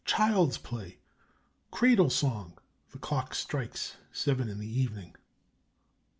Childish play. Cradle song (the clock strikes seven in the evening).